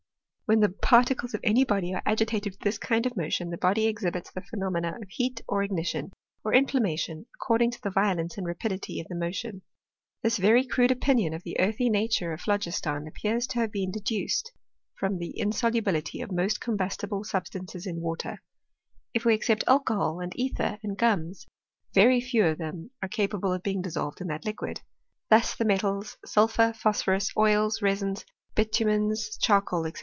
Whea the particles of any body are agitated with this kind of motion, the body exhibits the phenomena of heat or ignition, or inflammation, according to the violence and rapidity of the motion. This very crude opinion of the earthy nature of phlogiston, appears to have been deduced from the insolubility of most combustible substances in water, if we except alcohol, and ether, and gums, very few of them are capable of being dissolved in that liquid* Thus the metals, sulphur, phosphorus, oils, resins, bi tumens, charcoal, &c.